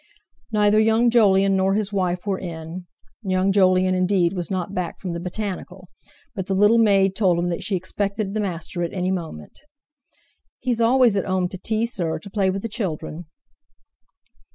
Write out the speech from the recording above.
Neither young Jolyon nor his wife were in (young Jolyon indeed was not back from the Botanical), but the little maid told him that she expected the master at any moment: "He's always at 'ome to tea, sir, to play with the children."